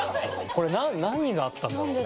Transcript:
これ何があったんだろうね？